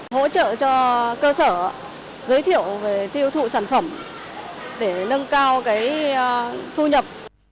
hỗ trợ cho cơ sở giới thiệu về tiêu thụ sản phẩm để nâng cao thu nhập